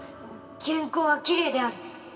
原稿はきれいである。